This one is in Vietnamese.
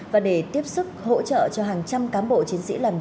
và để tiếp xúc hỗ trợ cho hàng trăm cán bộ chiến sĩ làm nhiệm